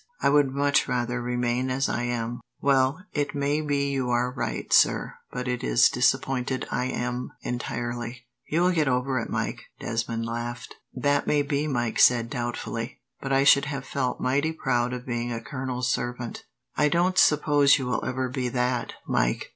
I would much rather remain as I am." "Well, it may be you are right, sir, but it is disappointed I am, entirely." "You will get over it, Mike," Desmond laughed. "That may be," Mike said doubtfully, "but I should have felt mighty proud of being a colonel's servant." "I don't suppose you will ever be that, Mike.